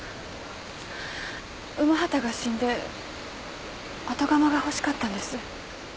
午端が死んで後釜が欲しかったんです。